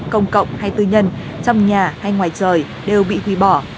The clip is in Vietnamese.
công cộng hay tư nhân trong nhà hay ngoài trời đều bị hủy bỏ